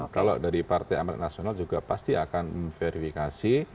kalau dari partai amat nasional juga pasti akan memverifikasi